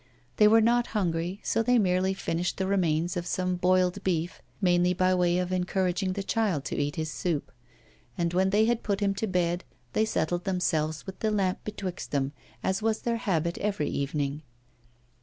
They were not hungry, so they merely finished the remains of some boiled beef, mainly by way of encouraging the child to eat his soup; and when they had put him to bed, they settled themselves with the lamp betwixt them, as was their habit every evening.